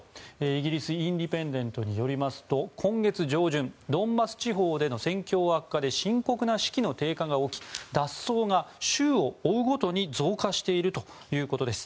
イギリス、インディペンデントによりますと今月上旬ドンバス地方での戦況悪化で深刻な士気の低下が起き脱走が週を追うごとに増加しているということです。